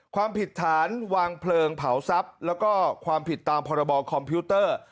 ความผิดฐานวางเพลิงเผาทรัพย์แล้วก็ความผิดตามพรบคอมพิวเตอร์